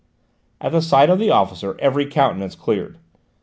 At sight of the officer every countenance cleared.